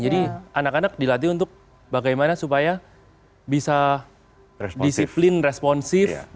jadi anak anak dilatih untuk bagaimana supaya bisa disiplin responsif